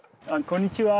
こんにちは。